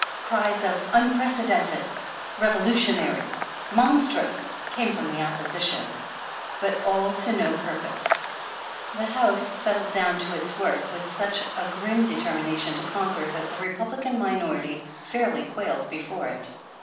Cries of Unprece dented!" ''Revolutionary!" "Monstrous!" came from the opposition, but all to no purpose ; the House settled down to its work with such a grim determina tion to conquer that the Republican minority fairly quailed before it.